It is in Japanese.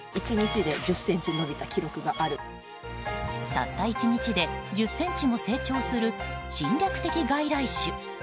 たった１日で１０ｃｍも成長する侵略的外来種。